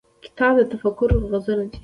کتاب د تفکر غزونه ده.